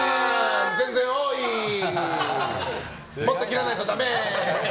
もっと切らないとダメ。